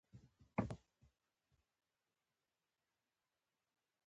ـ زمريانو د نشتون نه ګيدړې په بامو ګرځي